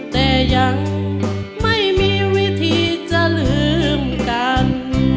แต่ยังไม่มีวิธีจะลืมกัน